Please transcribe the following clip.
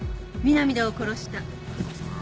南田を殺した。